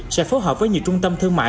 sẽ phối hợp với nhiều trung tâm thương mại